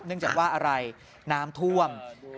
เนื่องจากว่าอะไรน้ำท่วม